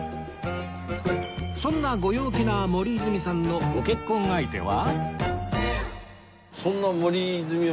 そんなご陽気な森泉さんのご結婚相手は？